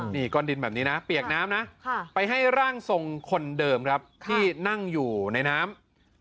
นี่ก้อนดินแบบนี้นะเปียกน้ำนะไปให้ร่างทรงคนเดิมครับที่นั่งอยู่ในน้ำ